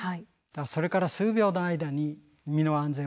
それから数秒の間に身の安全を守る。